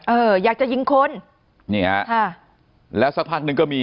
เอออยากจะยิงคนนี่ฮะค่ะแล้วสักพักนึงก็มี